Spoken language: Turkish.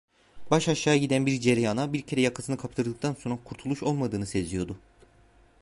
Baş aşağı giden bir cereyana bir kere yakasını kaptırdıktan sonra kurtuluş olmadığını seziyordu.